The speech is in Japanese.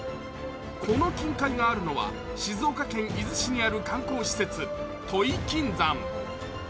この金塊があるのは静岡県伊豆市にある観光施設、土肥金山。